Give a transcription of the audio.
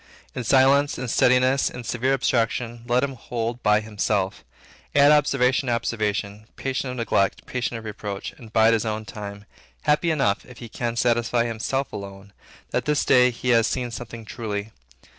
In silence, in steadiness, in severe abstraction, let him hold by himself; add observation to observation, patient of neglect, patient of reproach; and bide his own time, happy enough, if he can satisfy himself alone, that this day he has seen something truly.